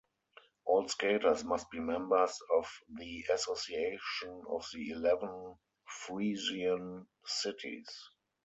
All skaters must be members of the Association of the Eleven Frisian Cities.